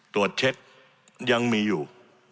ตรวจเช็คยังมีอยู่